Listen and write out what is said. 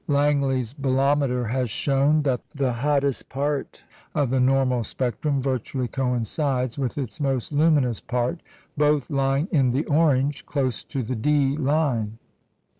Langley's bolometer has shown that the hottest part of the normal spectrum virtually coincides with its most luminous part, both lying in the orange, close to the D line.